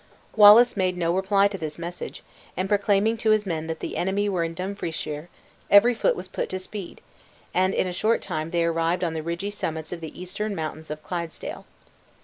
Wallace made no reply to this message, and proclaiming to his men that the enemy were in Dumfriesshire, every foot was put to the speed; and in a short time they arrived on the ridgy summits of the eastern mountains of Clydesdale.